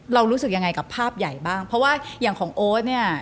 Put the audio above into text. รู้สึกยังไงกับภาพใหญ่บ้างเพราะว่าอย่างของโอ๊ตเนี่ย